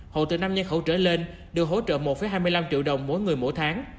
hộ từ năm nhân khẩu trở lên được hỗ trợ một hai mươi năm triệu đồng mỗi người mỗi tháng